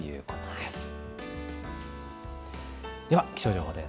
では気象情報です。